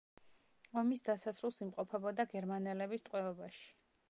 ომის დასასრულს იმყოფებოდა გერმანელების ტყვეობაში.